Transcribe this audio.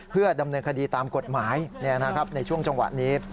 เพื่อดำเนินคดีตามกฎหมายในช่วงจังหวะนี้